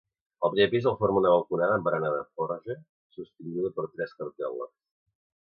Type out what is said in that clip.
El primer pis el forma una balconada amb barana de forja, sostinguda per tres cartel·les.